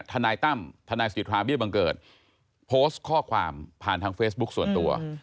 ทนายตั้มทนายสิทธาเบี้ยบังเกิดโพสต์ข้อความผ่านทางเฟซบุ๊คส่วนตัว